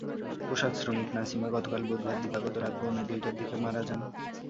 পোশাকশ্রমিক নাসিমা গতকাল বুধবার দিবাগত রাত পৌনে দুইটার দিকে মারা যান।